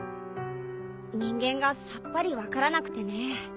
人間がさっぱり分からなくてね。